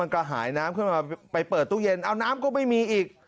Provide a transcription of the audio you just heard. กระหายน้ำขึ้นมาไปเปิดตู้เย็นเอาน้ำก็ไม่มีอีก